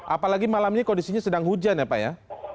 apalagi malam ini kondisinya sedang hujan ya pak ya